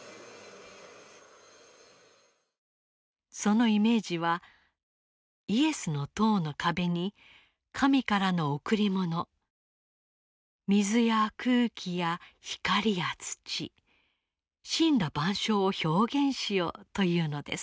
そのイメージはイエスの塔の壁に神からの贈り物水や空気や光や土森羅万象を表現しようというのです。